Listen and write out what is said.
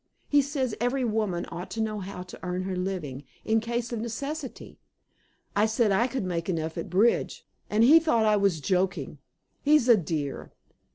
He says every woman ought to know how to earn her living, in case of necessity! I said I could make enough at bridge, and he thought I was joking! He's a dear!"